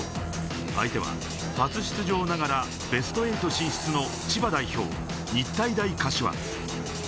相手は初出場ながらベスト８進出の千葉代表・日体大柏。